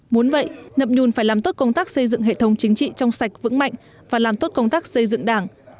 muốn vậy nậm nhùn phải làm tốt công tác xây dựng hệ thống chính trị trong sạch vững mạnh và làm tốt công tác xây dựng đảng